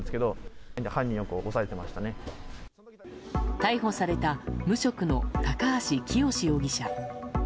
逮捕された無職の高橋清容疑者。